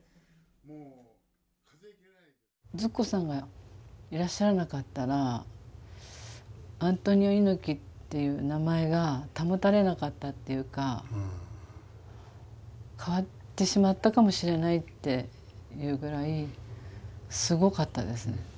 ズッコさんがいらっしゃらなかったら「アントニオ猪木」っていう名前が保たれなかったっていうか変わってしまったかもしれないっていうぐらいすごかったですね。